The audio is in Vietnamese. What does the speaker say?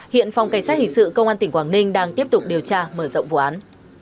hiện phòng cảnh sát hình sự công an tỉnh quảng ninh đang tiếp tục điều tra mở rộng vụ án